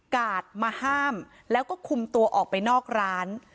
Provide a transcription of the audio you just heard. กาดมาห้ามแล้วก็คุมตัวออกไปนอกร้าน